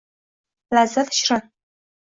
Lazzat shirin